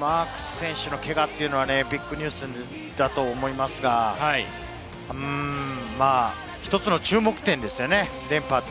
マークス選手のけがはビッグニュースだと思いますが、１つの注目点ですよね、連覇は。